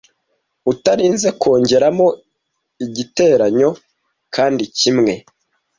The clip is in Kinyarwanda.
Utarinze kongeramo igiteranyo, kandi nkimwe